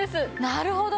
なるほど！